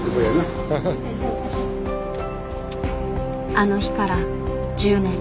あの日から１０年。